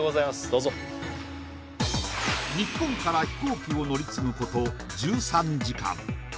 どうぞ日本から飛行機を乗り継ぐこと１３時間